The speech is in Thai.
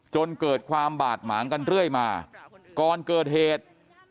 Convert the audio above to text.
จนเกิดความบาดหมางกันเรื่อยมาก่อนเกิดเหตุ